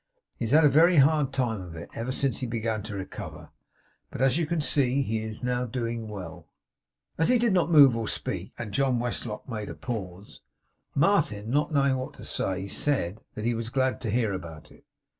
He has had a very hard time of it, ever since he began to recover; but, as you see, he is now doing well.' As he did not move or speak, and John Westlock made a pause, Martin, not knowing what to say, said that he was glad to hear it.